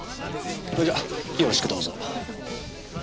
それじゃよろしくどうぞ。